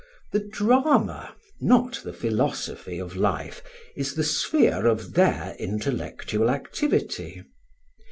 The drama, not the philosophy, of life is the sphere of their intellectual activity.